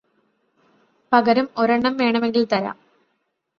പകരം ഒരെണ്ണം വേണമെങ്കില് തരാം